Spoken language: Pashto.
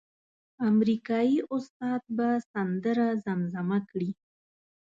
امریکایي استاد به سندره زمزمه کړي.